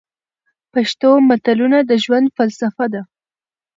پښتو متلونه د ژوند فلسفه ده.